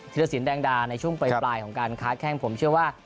ทีละสินแดงดาในช่วงปล่อยปลายของการคลาสแข้งผมเชื่อว่า